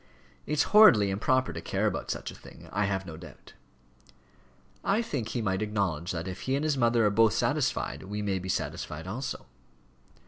It's horridly improper to care about such a thing, I have no doubt." "I think we might acknowledge that if he and his mother are both satisfied, we may be satisfied also."